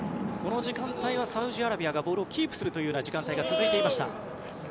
この時間帯はサウジアラビアがボールをキープする時間帯が続いていました。